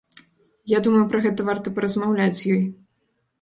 Я думаю, пра гэта варта паразмаўляць з ёй.